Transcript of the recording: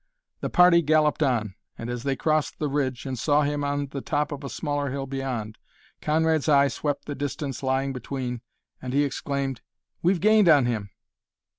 The party galloped on, and as they crossed the ridge and saw him on the top of a smaller hill beyond, Conrad's eye swept the distance lying between and he exclaimed, "We've gained on him!"